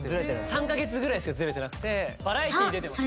３カ月ぐらいしかずれてなくてバラエティ出てます